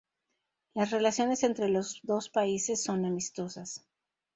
Las relaciones entre los dos países son amistosas.